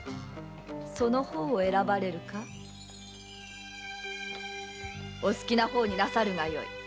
その方を選ばれるかお好きな方になさるがよい。